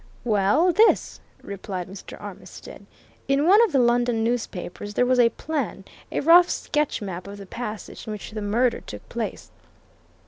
"Well, this," replied Mr. Armitstead: "In one of the London newspapers there was a plan, a rough sketchmap of the passage in which the murder took place.